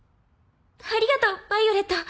ありがとうヴァイオレット。